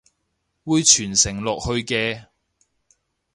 會傳承落去嘅！